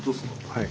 はい。